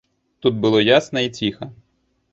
Тут было ясна і ціха.